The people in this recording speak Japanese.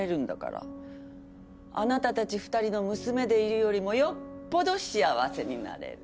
あなたたち２人の娘でいるよりもよっぽど幸せになれる。